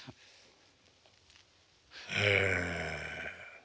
ええ。